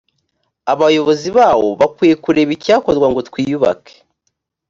abayobozi bawo bakwiye kureba icyakorwa ngo twiyubake